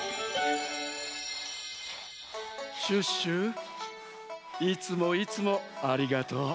シュッシュいつもいつもありがとう。